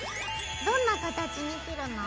どんな形に切るの？